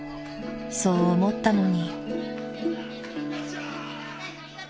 ［そう思ったのに］